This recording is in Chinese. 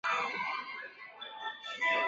同时全作中的可攻略角色也均为女性。